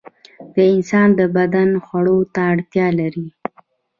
د انسان بدن خوړو ته اړتیا لري.